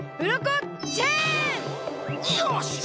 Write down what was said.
よし！